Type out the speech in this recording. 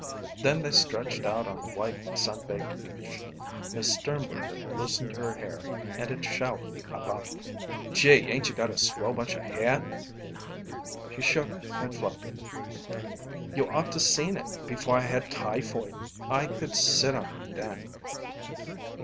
Then they stretched out on the white, sunbaked beach. Miss Sternberger loosened her hair and it showered about her. "Gee! 'Ain't you got a swell bunch of hair!" She shook and fluffed it. "You ought to seen it before I had typhoid. I could sit on it then."